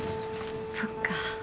そっか。